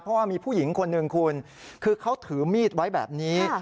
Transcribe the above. เพราะว่ามีผู้หญิงคนหนึ่งคุณคือเขาถือมีดไว้แบบนี้